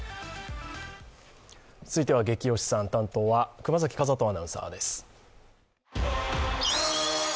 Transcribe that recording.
続いては「ゲキ推しさん」、担当は熊崎風斗アナウンサーです。